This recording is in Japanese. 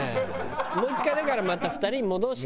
もう１回だからまた２人に戻して。